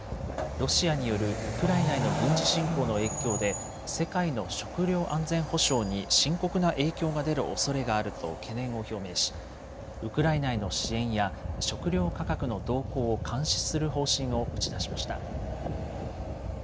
ロシアによるウクライナへの軍事侵攻の影響で世界の食料安全保障に深刻な影響が出るおそれがあると懸念を表明しウクライナへの支援や食料価格の動向を監視する方針を打ち出しました。